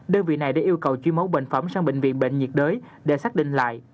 đơn vị này đã yêu cầu chuyển máu bệnh phẩm sang bệnh viện bệnh nhiệt đới để xác định lại